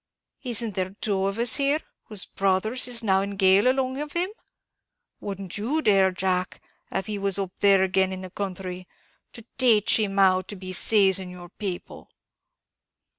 Isn't there two of us here, whose brothers is now in gaol along of him? Wouldn't you dare, Jack, av he was up there again in the counthry, to tache him how to be sazing your people?"